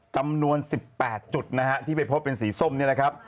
จำนวน๑๘จุดนะฮะที่ไปพบเป็นสีส้มเนี่ยนะครับ